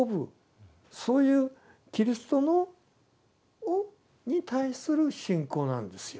そういうキリストに対する信仰なんですよ。